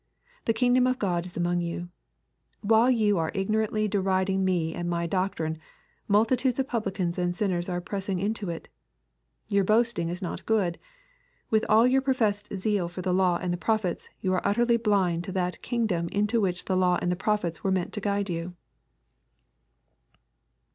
The kingdom of God is among you. While you are ignorantly de riding me and my doctrine, multitudes of publicans and sinners are pressing into it^ Your boasting is not good. With all your professed zeal for the law and the prophets, you are utterly blind to that kingdom into which the law and the prophets were meant to guide you."